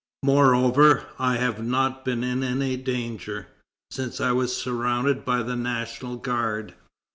"Moreover, I have not been in any danger, since I was surrounded by the National Guard."